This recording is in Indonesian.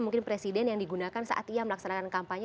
mungkin presiden yang digunakan saat ia melaksanakan kampanye